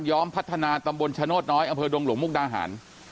้อมพัฒนาตำบลชโนธน้อยอำเภอดงหลวงมุกดาหาร